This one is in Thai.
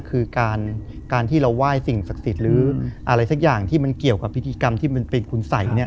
คือการที่เราไหว้สิ่งศักดิ์สิทธิ์หรืออะไรสักอย่างที่มันเกี่ยวกับพิธีกรรมที่มันเป็นคุณสัย